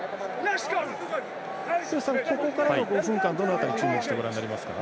ここからの５分間どの辺りを注目してご覧になりますか？